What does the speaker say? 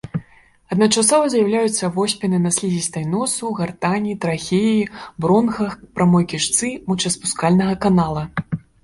Адначасова з'яўляюцца воспіны на слізістай носу, гартані, трахеі, бронхах, прамой кішцы, мочаспускальнага канала.